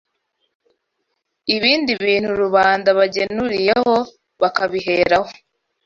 ibindi bintu rubanda bagenuriyeho bakabiheraho